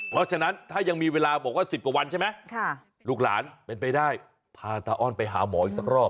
เพราะฉะนั้นถ้ายังมีเวลาบอกว่า๑๐กว่าวันใช่ไหมลูกหลานเป็นไปได้พาตาอ้อนไปหาหมออีกสักรอบ